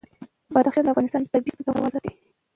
بدخشان د افغانستان د طبعي سیسټم توازن ساتي.